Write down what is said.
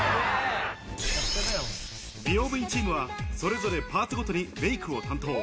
美容部員チームはそれぞれパーツごとにメイクを担当。